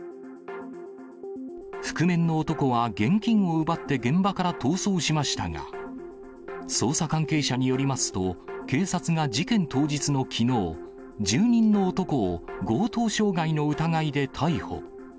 覆面の男は現金を奪って現場から逃走しましたが、捜査関係者によりますと、警察が事件当日のきのう、住人の男を、強盗傷害の疑いで逮捕。